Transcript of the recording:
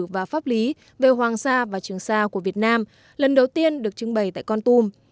và pháp lý về hoàng sa và trường sa của việt nam lần đầu tiên được trưng bày tại con tum